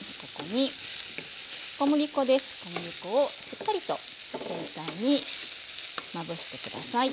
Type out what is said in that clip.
小麦粉をしっかりと全体にまぶして下さい。